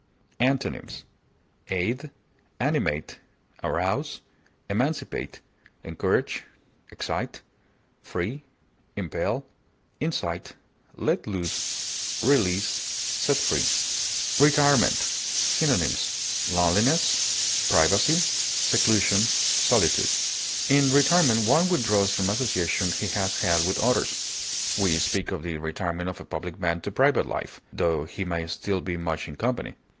Antonyms: aid, arouse, encourage, free, incite, release, animate, emancipate, excite, impel, let loose, set free. RETIREMENT. Synonyms: loneliness, privacy, seclusion, solitude. In retirement one withdraws from association he has had with others; we speak of the retirement of a public man to private life, tho he may still be much in company.